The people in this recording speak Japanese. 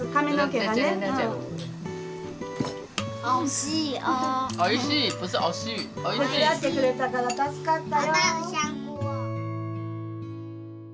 手伝ってくれたから助かったよ。